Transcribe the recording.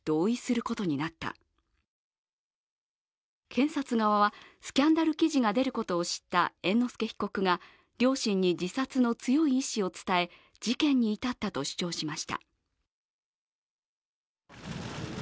検察側はスキャンダル記事が出ることを知った猿之助被告が両親に自殺の強い意思を伝え事件に至ったと主張しました。